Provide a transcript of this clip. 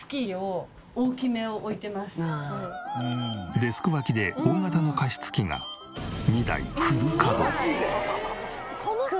デスク脇で大型の加湿器が２台フル稼働。